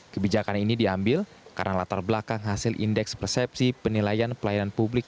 kebijakan ini diambil karena latar belakang hasil indeks persepsi penilaian pelayanan publik